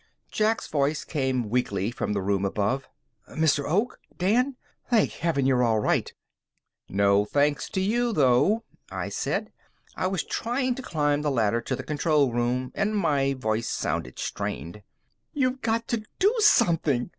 Jack's voice came weakly from the room above. "Mr. Oak? Dan? Thank heaven you're all right!" "No thanks to you, though," I said. I was trying to climb the ladder to the control room, and my voice sounded strained. "You've got to do something!"